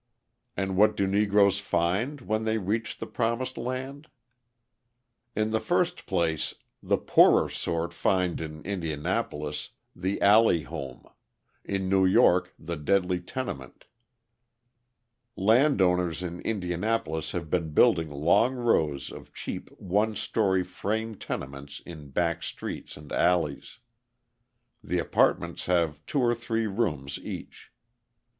And what do Negroes find when they reach the promised land? In the first place the poorer sort find in Indianapolis the alley home, in New York the deadly tenement. Landowners in Indianapolis have been building long rows of cheap one story frame tenements in back streets and alleys. The apartments have two or three rooms each.